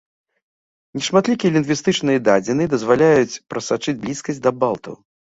Нешматлікія лінгвістычныя дадзеныя дазваляюць прасачыць блізкасць да балтаў.